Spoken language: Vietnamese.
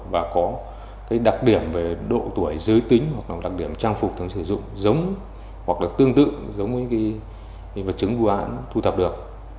và có cái đặc điểm về độ tuổi giới tính hoặc là đặc điểm trang phục thường sử dụng giống hoặc là tương tự giống với vật chứng vụ án thu thập được